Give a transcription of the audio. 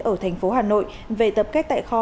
ở thành phố hà nội về tập kết tại kho